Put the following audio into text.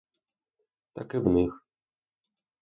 Так і в них.